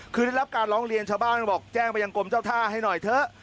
คือได้รับการร้องเรียนชาวบ้านบอกแจ้งไปยังกรมเจ้าท่าให้หน่อยเถอะ